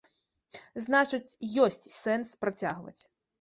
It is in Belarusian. Значыць, ёсць сэнс працягваць.